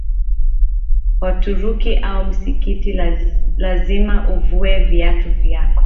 Waturuki au msikiti lazima uvue viatu vyako